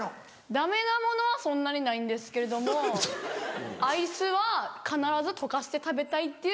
ダメなものはそんなにないんですけれどもアイスは必ず溶かして食べたいっていう。